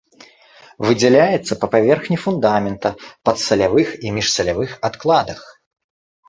Выдзяляецца па паверхні фундамента, падсалявых і міжсалявых адкладах.